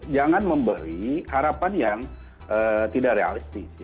jangan memberi harapan yang tidak realistis